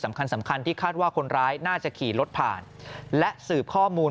สำคัญสำคัญที่คาดว่าคนร้ายน่าจะขี่รถผ่านและสืบข้อมูล